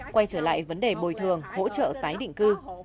quay trở lại vấn đề bồi thường hỗ trợ tái định cư